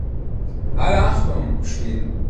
Alle Achtung, Schweden!